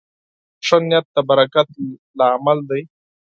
ښه نیت د برکت لامل دی.